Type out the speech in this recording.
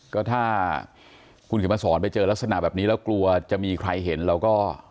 ก็ถ้าคุณเขียนมาสอนไปเจอลักษณะแบบนี้แล้วกลัวจะมีใครเห็นเราก็